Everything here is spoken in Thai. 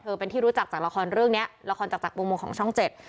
เป็นที่รู้จักจากละครเรื่องเนี้ยละครจากจากมุมของช่องเจ็ด